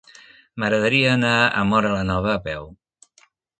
M'agradaria anar a Móra la Nova a peu.